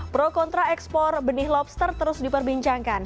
pro kontra ekspor benih lobster terus diperbincangkan